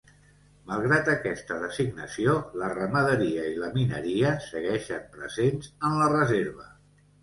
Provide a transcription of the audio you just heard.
Malgrat aquesta designació, la ramaderia i la mineria segueixen presents en la Reserva.